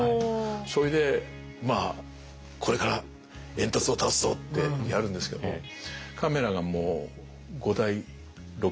それでまあこれから煙突を倒すぞってやるんですけどもカメラがもう５台６台あって。